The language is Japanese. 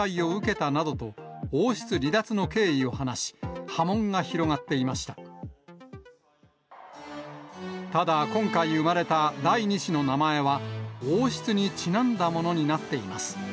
ただ、今回産まれた第２子の名前は、王室にちなんだものになっています。